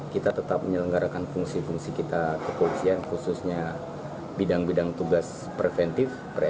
kita tetap menyelenggarakan fungsi fungsi kita kepolisian khususnya bidang bidang tugas preventif